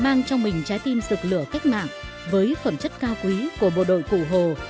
mang trong mình trái tim rực lửa cách mạng với phẩm chất cao quý của bộ đội cụ hồ